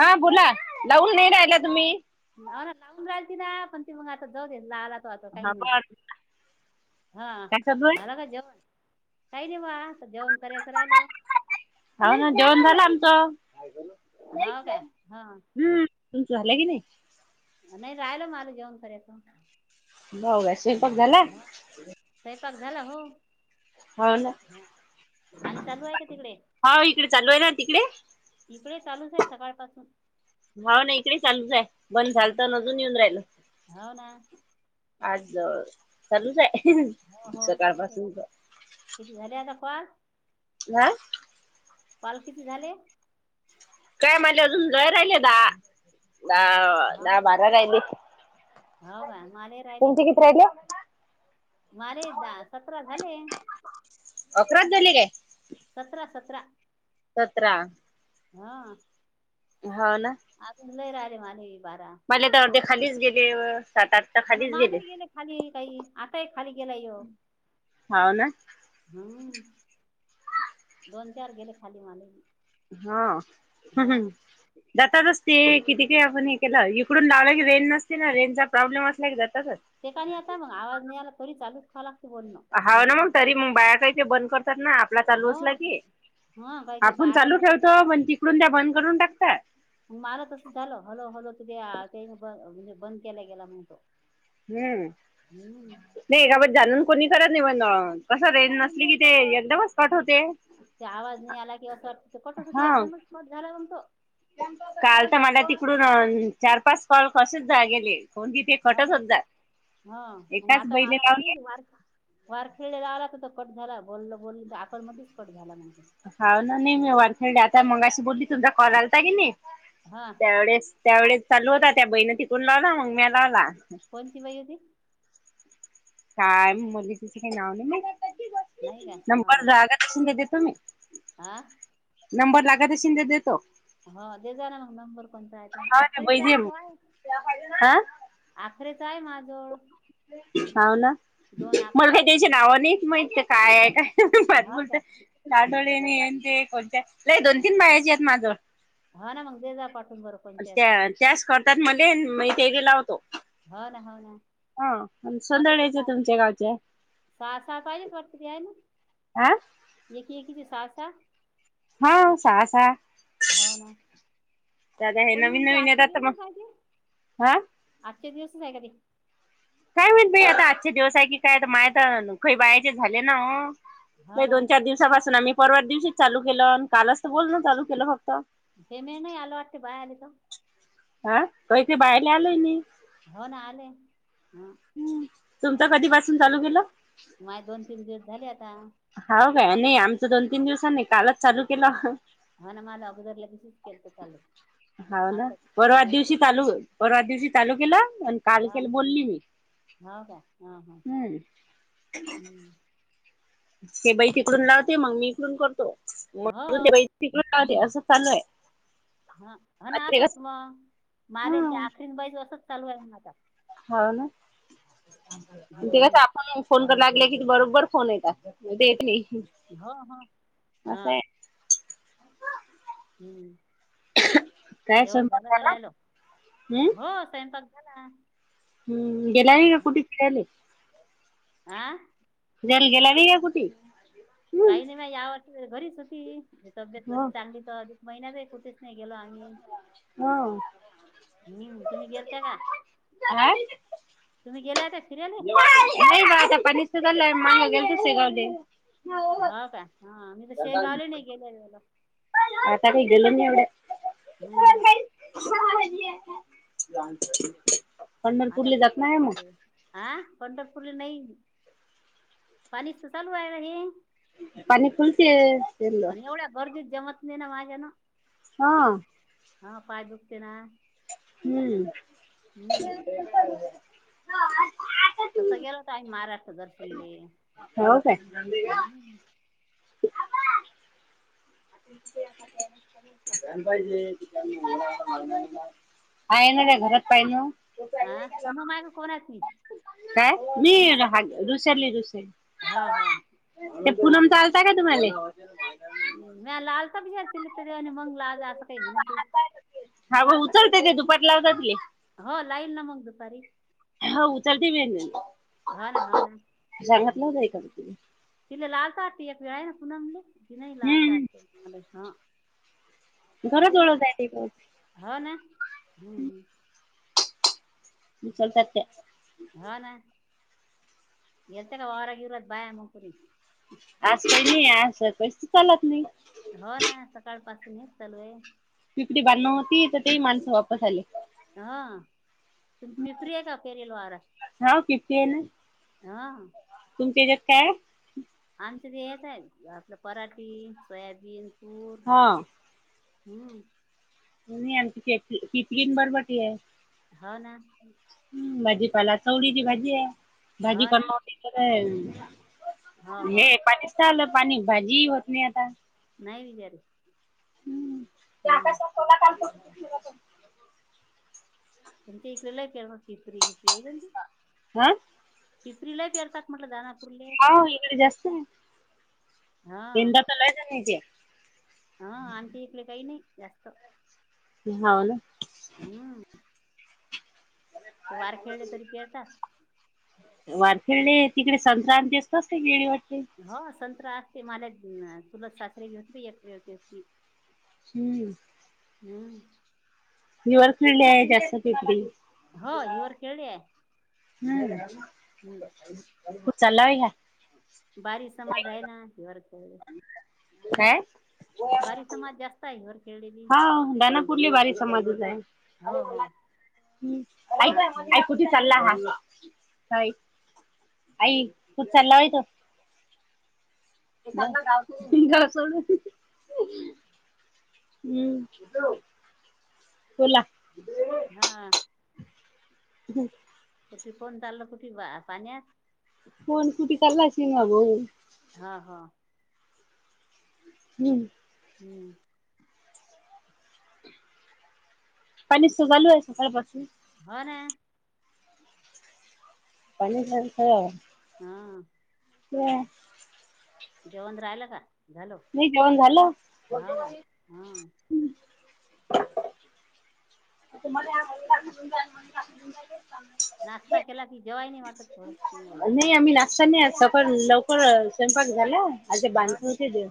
हा बोला लाऊन हा नाही रायला तुम्ही. [unintelligible] हा बर काय चालू आहे [unintelligible] काही नाही वा जेवण करायचं राहिलं. हो ना जेवण झालं आमचं. हो काय हा हम् तुमचं झालं की नाही. नाही राहिलं मला जेवन करायच. ब ग [unintelligible] स्वयंपाक झाला. हा स्वयंपाक झाला हो. हो ना हा. पाणी चालू आहे का तिकडे हो इकडे चालू आहे ना तिकडे? इकडे चालूच आहे सकाळ पासून. हावन इकडे चालूच आहे बंद झाल तर अजून येऊन राहिल. हो ना. आज जवळ चालूच आहे हो हो चालूच आहे सकाळपासूनच. किती झालेता कॅल. ह [unintelligible] कॅल किती झाले. काय मले अजून जायरे राहिले द हो दहा, का बारा राहिले हो का माले तुमचे किती राहिले. माझे का सतरा झाले. अकराच झाले काय सतरा सतरा. सतरा. हा हा ना. [unintelligible] [unintelligible] होना माले ही गेले खाली काही आताही खाली गेला यो. हो ना हम्म. दोन चार गेले खाली मालेही. [unintelligible] इकडून लावला की रेंज नसते ना रेेंजचा प्रॉब्लेम असला की जातातच. ते का नि आता मग आवाज नाही आला तरी चालूच ठेवा लाग हवं ना तरी मग बाया काही ते बंद करतात ना आपला चालू हो असला की. हा काय की बा आपून आता चालू मग तसंच ठेवतो पण तिकडून त्या बंद करून टाकतात. मला तसं झालं हलो हलो त ते आ त्याईनी बन म्हणजे बंद केला गेला म्हणतो. हम्म. हम्म. नाही यावर जाणून कोणी करत नाही पण मग कसं रेंज जाणून नसली नाही कि ते करत एकदमच कट होते. ते आवाज नाही आला की असं वाटत कटच होती हा एकदमच कट झाला मंग तो. काल तर मला तिकडून अ चार पाच कॉल असेच जा गेले. कोणती ते हो कटच ना होत जात. हो मग एकाच आता बैले मला का लावले नाही वार वारखीळला लावला पण तो कट झाला बोलल बोल तर आकल मध्येच कट झाला मणजे. हाव ना मी वानखेडे आता मंगाशी बोलली तुमचा कॉल आलता की नाही. हा. त्यावेळेस त्यावेळेस चालू होता त्या बइन तिकून लावला मग मी लावला. कोणची बाई होती. काय म्हणली तीचे काय नाव नाही नाही काय माहीत नंबर जाला. शिंदे देतो मी. आ. नंबर लागत अशीन त देतो. हो दे जाना मग नंबर कोणता आहेतो हा ते आखरीचा बैजे तो आहे. हा आखरेच आहे माजवळ. हव ना मला आखरे का हो त्याच्या नावा नाही माहित का काय आहे काय. प बोलत काय हो आठोडने येन ते कोणत्या लय दोन तीन बायाचे आहेत माझं. हा ना मग दे जा पाठवून बरं कोणते असत. त्यास करतात मले मई तेले लावतो. हो ना हो ना. हा मंग असं ते सुधड्यायचं पाच तुमच्या गावच्या. सहा सहा पाहिजेच वाटतं की आहे ना. आं. एकी एकीचे सहा सहा. हा सहा सहा हो ना ते आता हे कोणी नवीन म्हणते नवीन आजच्या येतात तर मग. हा. आजचे दिवसच आहे का ते. काय माहित बाई आता आजचे दिवस आहे की काय मायत खई बायाचे झाले ना हो. हो नाही ना दोन चार दिवसापासून आम्ही परवा दिवशीच चालू केलं कालच तर बोलन चालू केलं फक्त. पेमेंट नाही आलं वाटतं बायले त. हा तैथ बाहेर आलंय नाही. हो ना आले हा. तुमचा कधीपसून चालू केलं. माझ दोन तीन दिवस झाले आता. हा काय नाही आमचं दोन तीन दिवस नाही कालच चालू केलं. हा ना मझ अगोदरल लगेचच के तर चाल. हा ना परवा दिवशी चालू परवा दिवशी चालू केलं आणि काल केलं बोलली मी. हव काय हा हा हम्म हम. हे बैय तकडून लावते मग मी इकडून करतो हो म्हणून ते बैय तिकडून लावते असं चालूय. ह ह ना असंच मग मालेंच्या आखरीन बाईज असच चालू आहे माझ. हो ना ते कसं हम्म आप फोन कर लागले की बरोबर फोन येत देत ही. हो हो हा. हम्म. काय जेवण स्वयंपाक झालं घ झाला? राहिल हम्म? हो स्वंपाक झाला. हम्म गेला आहे का कुठ फिराले. आं फिराला गेले नाय कुठे. हम्म काही नाही म यावर वर्षी घरीच होती तब्येत म हो चांगली. अधिक महिन्यात आहे कुठेच नाही गेला आणि. ह हम्म तुम्ही गेलता का. काय. तुम्ही गेलाय फिरी्याला. दय बा आता पणस माग गल्स सेगवली. ह का हा मी तर शेग आले नाही गेल्याला आता काही गलं एवढ. हम्म हम. हमरपूरले जात नाही आहे मग हा पंढरपूरले नाही पाणीस तर चालू आहे हे. पाणी फुलते सेललं. आणि एवढ्या गर्दीत जमत नाही ना माझ्या ना. हा. हा पाय दुखतेना. हम्म. तस गेलं का आहे महाराष्ट्र दर्शन दे. हो काय? [unintelligible] पाहिजे. आहे ना तुम्ही र घरात पाहि ना. हा पुन्हा माग कोणाची काय मी विचार रुसेली रुसे हा हा ते पूनम तर का तुम्हाला? म लालचा बिचार केला तर आणि मग लाल असं काही म्हणत ते हा भा उचलते ते दुपट लावतात. हो लाईन ना मग दुपारी हो उतरते मेन [unintelligible] एका व्यक्तीने तनलाल दारट हम्म मले हा. घरज ोळं जाय. हा ना हम्म. चलतत. होा ना गेलत का वावरा गिवरात बाया मुकुरी आज काही नाही आज पै चालत नाही. हो ना सकाळ पासून हेच चालू आहे. पिपडी बांधण होती तर तेही माणसं वापस आले. हा तुम्ही पिपरी आहे का पेरल वावरात. हा पिपडी आहे ना हा. तुमच्या येच्यात काय आहे. आमच ते येत आहे आपलं पराठीे सोयाबीन तूर हा हम्म. आमची पिपरी बरबटी आहे. हो ना. हम् भाजी पाला चौडीची भाजी आहे भाजी हो ना करती. हो हो हे पाणीत आलं पाणी भाजी होत नाही आता नाही बिचारे. हम्म ते आकाशातोला का? म्हणजे इकडेला पिपरी किरी आहेी. हं. फिपरी लय फेरतात म्हटलं जा ना. हा इकडे जास्त आहे. हा यंदा त लय जनाची आहे. हा आमचे इकडे काही नाही जास्त हा ना. हम्म. ते वार खेळले तरी पेळतात. वरखेडले तिकडे संक्रांती असतसते गेळी वाटते. हो संत्रा असते माला चुलत सासरे घत एकती हम्म हम्म हर खेळले आहे जास्त कातरी हो हिवरखेडले आहे हम्म हम्म. कुठ चाल्याव व्हा बारी समाज आहे ना हिवरखेडले हं बारी समाज ज जास्त आहे [inaudible] हा दानापूरली बारी समाजच आहे. हो हो हम्म ऐक णा हम्म आई तुझी चाल्ला हा, आई तू ल्ला होय तो. का सोलू. हम्म हॅल्लो बोला. हा ह कुठी कोण चाल कुठे पाण्यात कोण सुुटी चाला असि ना भाऊ हा हा हम्म होम् पाणीत चालू आहे सकाळ पासुन हो ना पानी सर खा हा हम् जेवण राहिलं का झालो नाही जेवण झालं? हा का हा तर तुम्हाला नाशस्ता केला क जवाय नाहीटत थोड नाही उशिरा आम्ही नाश्ता नाही आज सकाळ लवकर स्वयंपाक झाला असे हो बांध दे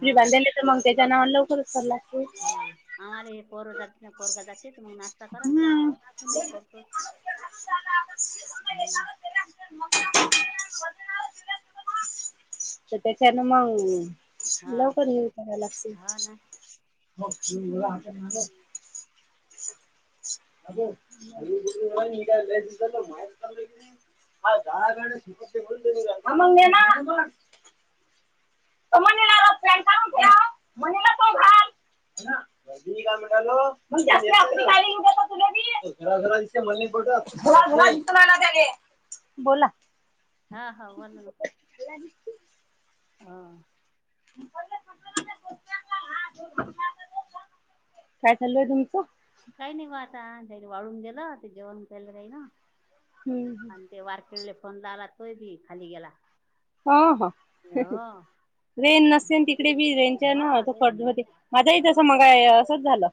हा बांधाय मग त्याच्या नावर लवकरचसरलागते. हो आम्हाला हे पोर जा तुझा पोरगा जाते तर मग नाश्ता कराच लागतो ना त नाही करडतोच. [inaudible] हम्. तर त्याच्यान मग हा लवकर येऊ कय लागती. हा ना हम्म. अ त म मस मा [inaudible] ह हा गाड समस [inaudible] त म्हला र का ठे म्हणेला कोण घल [inaudible] का म्हणाल तमच्यातले आरधी [unintelligible] मट बोला. हा हा बोला णा. हा. काय चालू आहे तुमच. काही नाही ग आता वाळून गेलं ते जेवण खयलं जाई ना हम्म, हम्म. आणि ते वारक. फोन ला आला तोय बी खाली गेला. हा ह. ह. रेन नसते आणि तिकडे बी रेनच्या ना रेंज होतोड. नाही ना माझ्याहीत समोर हाय असंच झालं.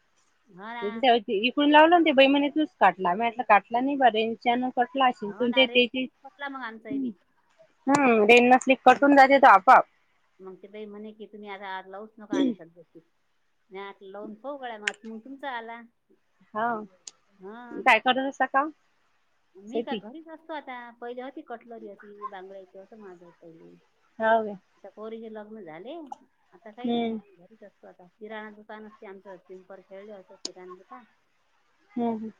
हाला ते त्या- इकडून लावलं ते बहि मणीतूनच काटला मटला काटला नाही बरें. हो ना रेंज पटला मग आमचाही बी े [unintelligible] मग ते बाई म्हणे की तुम्ही आता लावूच नका आणि सद्याची. नाही आ लवन खऊगळ म मग तुमचा आला. हा हा काय करतता का. मी का शेती घरीच असतो आता पहिले होती कटलरी अशी बांगड्याच असं माझं पहिले. हवं का. आता पोरीचे लग्न झाले आता काही नाही हम्म मग घरीच असते. आता किराणा दुकान असते आमचं पिंपर खेळले होतं किराण दुका हम् हम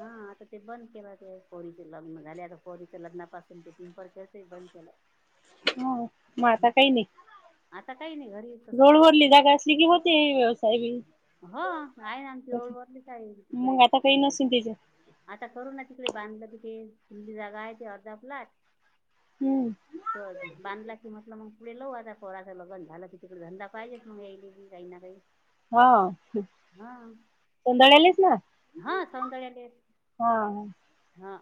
हा आता ते बंद केलं. पौरीचे लग्न झाले पौरीच्या लग्ना पाासून ते पिंपर खेळतय बंद केला. हा म आता काही नाही. आता काही नाही घरी. रोड वरलीि जागा असली की होते व्यवसाय बी. हो काय आमची तसे. रोडवररलीच आहे तिक मग आता काही नसेन त्याच्या, आता करू ना तिकडे बांधलं तिथे फुलली जागा आहे ते अर्धा प्लटला. हम्म. त बांधला की म्हटलं मग पुढ लव आता पोराचं लगन झालं की तिकडे धंदा पाहिजेच मग यायले बी. काय णा काय. हा सोधळालेच ना. हा सौंदर्याले हा. हा.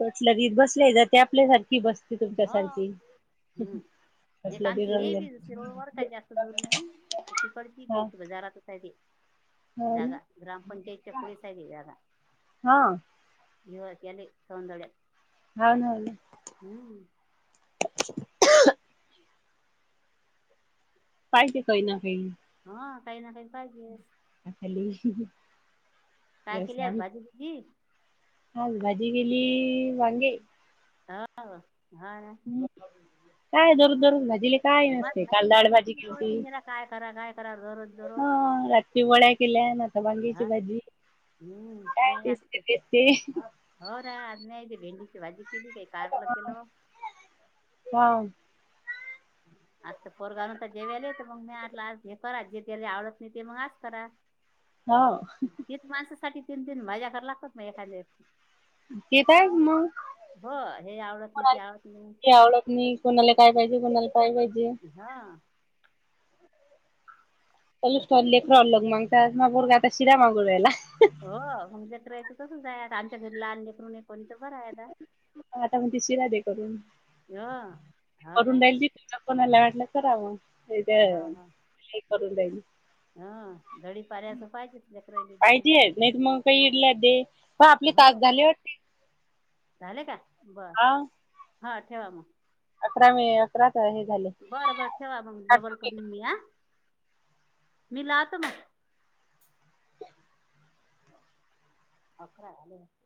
कसलं त बसले जात आपल्यासारखी बसते हा तुमच्यासारखी. हम्म एक आमची हे बी दुसरी रोड ववर काय जास्त दूरणी. खती पडती हा भी हो बाजाराता काय ते हो ना जागा ग्रामपंचायतीच्या पुढ साईड जागा. हा जुवाकली सौंदळ्य. होनल. हम्म. पाहिजे काही ना काही. हा काही ना काही पाहिजेस. अली काय केली ववसा. आज भाजी तुझी हा भाजी गेली वांगे. हो हा. काय दरू दरूज. काय मग नसते काल ाळ नाही भाजी इथे किमती कोथिंबीरा काय करा काय करा दररोज दररोज हा. शि वड्या केल्या ना आता वांगेची हा भाजी हम्म नाही आज ते- कायतेसते. हो रा आज नाहीय तेे भेंडीची भाजी केली काय. हा. आज पोरगाव न तर जेवेयलाले मग नाही आलं आज हे करा जे त्याला आवडत नाही ते मग आज करा. हा. तीन माणसासाठी तीन तीन मजा कर लागतात मग एखाद्या तेेतय मग हो हे आवडत नाही ते आवडत नाही कोणाला आवडत नाही कोणाला काय पाहिजे कोणाला काय पाहिजे. हा तुॉ लेखरा लग मागता मग बोरग आता शिरा मागववा्यायला. हो मग ज करायचं तसच आमच्या घरीलालेकरून कोणी. बर आहे आता म्हणते शिरा दे करून य हा ना. त कोणाला वाटलं कराव तथे का करून देईल हा धडी पाऱ्याचं पाहिजेच लेकरायले बी पाहिती नाहीत मग काही इडल्या दे पग आपले हो तास झालेवरते झाले का बर हा हा ठेवा मग. अकरा मे [unintelligible] बरं बर ठेवा मग डबल करून मी या मी लावतो मग [unintelligible]